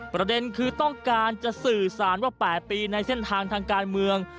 ประเด็นคือต้องการจะสื่อสารว่า๘ปีในเส้นทางทางการเมือง